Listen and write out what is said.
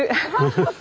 ハハハ！